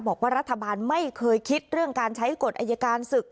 บอกว่ารัฐบาลไม่เคยคิดเรื่องการใช้กฎอายการศึก